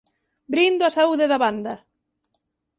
Brindo á saúde da banda!